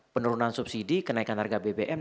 penurunan subsidi kenaikan harga bbm